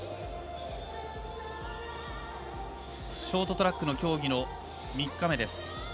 ショートトラックの競技の３日目です。